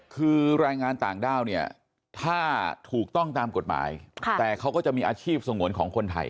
คือแรงงานต่างด้าวเนี่ยถ้าถูกต้องตามกฎหมายแต่เขาก็จะมีอาชีพสงวนของคนไทย